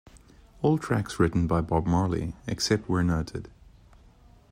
All tracks written by Bob Marley, except where noted.